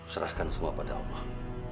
serahkan semua pada allah